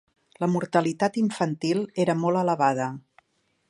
La mortalitat infantil era molt elevada.